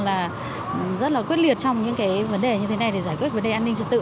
là rất là quyết liệt trong những cái vấn đề như thế này để giải quyết vấn đề an ninh trật tự